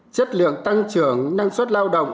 chất lượng tăng trưởng năng suất lao động